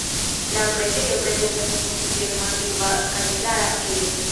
La preĝejo prezentas sin kiel masiva kaj klara ejo.